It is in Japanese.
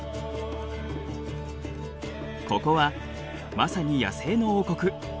ここはまさに野生の王国。